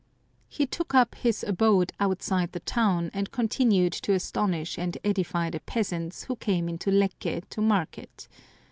He took up his abode outside the town, and continued to astonish and edify the peasants who came into Lecce to market.